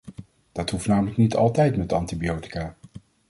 Dat hoeft namelijk niet altijd met antibiotica.